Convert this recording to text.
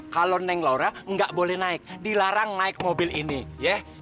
kalau neng laura nggak boleh naik dilarang naik mobil ini ya